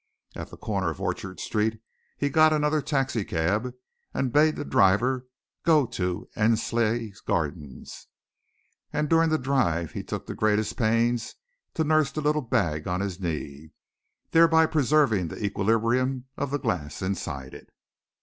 At the corner of Orchard Street he got another taxi cab and bade the driver go to Endsleigh Gardens. And during the drive he took the greatest pains to nurse the little bag on his knee, thereby preserving the equilibrium of the glass inside it.